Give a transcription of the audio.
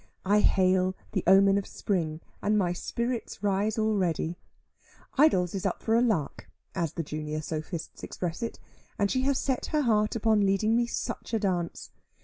I hail the omen of spring, and my spirits rise already. Idols is up for a lark (as the junior sophists express it) and she has set her heart upon leading me such a dance.